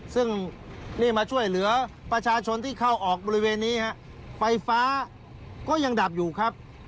ซึ่งนี่มาช่วยเหลือประชาชนที่เข้าออกบริเวณนี้ฮะไฟฟ้าก็ยังดับอยู่ครับ